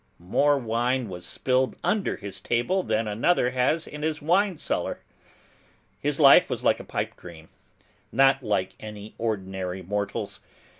More wine was spilled under his table than another has in his wine cellar. His life was like a pipe dream, not like an ordinary mortal's.